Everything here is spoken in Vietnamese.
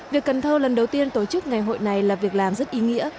việc cần thơ lần đầu tiên tổ chức ngày hội này là việc làm rất ý nghĩa